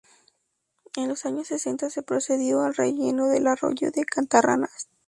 En los años sesenta se procedió al relleno del arroyo de Cantarranas.